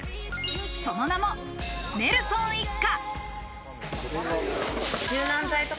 その名もネルソン一家。